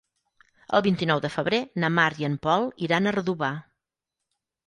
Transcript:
El vint-i-nou de febrer na Mar i en Pol iran a Redovà.